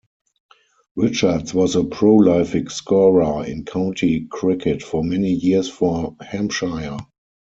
Richards was a prolific scorer in county cricket for many years for Hampshire.